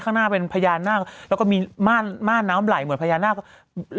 ข้างหน้าเป็นพญานาคแล้วก็มีม่านม่านน้ำไหลเหมือนพญานาค